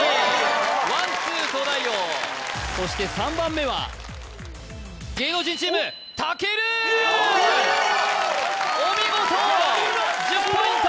ワンツー東大王そして３番目は芸能人チームたけるお見事１０ポイント